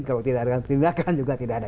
kalau tidak ada perbaikan sistem juga tidak ada